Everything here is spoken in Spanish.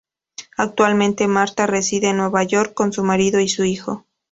Actualmente, Marta reside en Nueva York con su marido y su hijo.